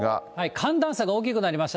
寒暖差が大きくなりました。